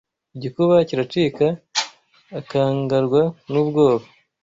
Igikuba kiracika akangrwa n,ubwoba